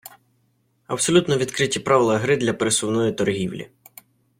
Абсолютно відкриті правила гри для пересувної торгівлі.